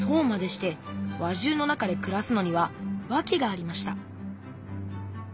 して輪中の中でくらすのにはわけがありました